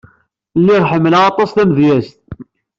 Lliɣ ḥemmleɣ aṭas tamedyazt.